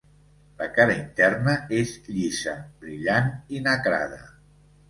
La cara interna és llisa, brillant i nacrada.